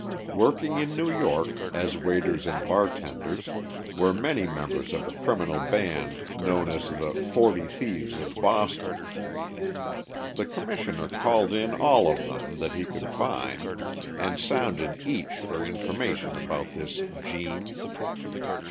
Working in New York, as waiters and bartenders, were many members of a criminal band known as the "Forty Thieves of Boston." The Commissioner called in all of them that he could find, and sounded each for information about this "Gene."